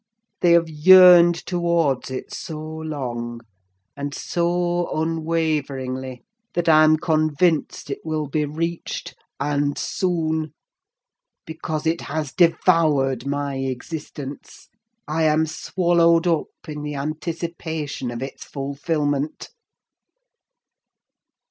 They have yearned towards it so long, and so unwaveringly, that I'm convinced it will be reached—and soon—because it has devoured my existence: I am swallowed up in the anticipation of its fulfilment.